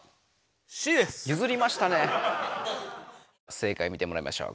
正解見てもらいましょう。